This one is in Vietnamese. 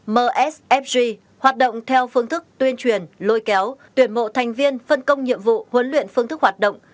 ba msfg hoạt động theo phương thức tuyên truyền lôi kéo tuyển mộ thành viên phân công nhiệm vụ huấn luyện phương thức hoạt động